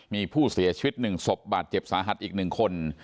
มีผู้เสียชีวิต๑ศพบาดเจ็บสาหัสอีก๑คน